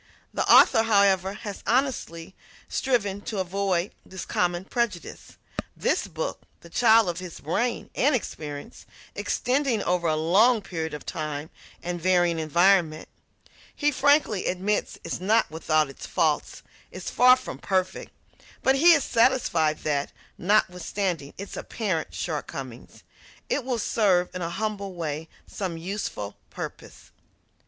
The author, however, has honestly striven to avoid this common prejudice. This book, the child of his brain, and experience, extending over a long period of time and varying environment, he frankly admits is not without its faults is far from perfect; but he is satisfied that, notwithstanding its apparent shortcomings, it will serve in a humble way some useful purpose.